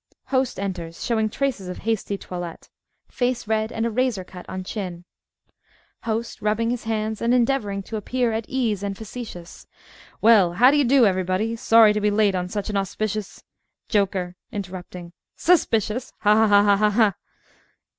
(HOST enters, showing traces of hasty toilette face red, and a razor cut on chin.) HOST (rubbing his hands, and endeavoring to appear at ease and facetious) Well, how d'ye do, everybody! Sorry to be late on such an auspicious JOKER (interrupting) Suspicious! Ha, ha!